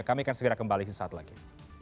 kami akan segera kembali di saat lagi